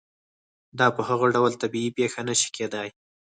دا په هېڅ ډول طبیعي پېښه نه شي کېدای.